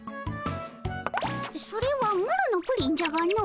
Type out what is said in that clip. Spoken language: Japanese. それはマロのプリンじゃがの。